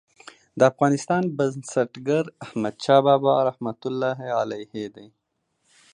د افغانستان بنسټګر احمدشاه بابا رحمة الله علیه دی.